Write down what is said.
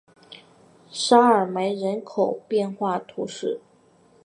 沙尔梅人口变化图示